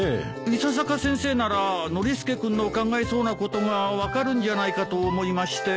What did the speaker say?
伊佐坂先生ならノリスケ君の考えそうなことが分かるんじゃないかと思いまして。